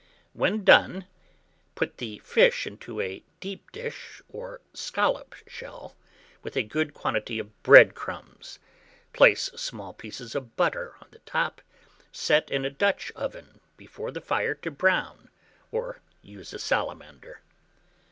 When done, put the fish into a deep dish or scallop shell, with a good quantity of bread crumbs; place small pieces of butter on the top, set in a Dutch oven before the fire to brown, or use a salamander.